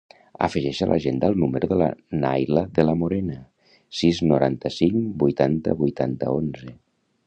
Afegeix a l'agenda el número de la Nayla De La Morena: sis, noranta-cinc, vuitanta, vuitanta, onze.